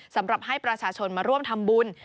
สำหรับให้ประชาชนมาร่วมทำบุญ